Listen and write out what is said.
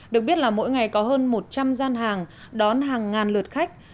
được biết là mỗi ngày có hơn một trăm linh gian hàng đón hàng ngàn lượt khách